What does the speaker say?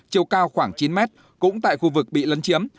chiều cao khoảng chín mét cũng tại khu vực bị lấn chiếm